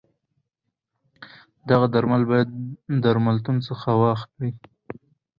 دغه درمل باید درملتون څخه واخلی.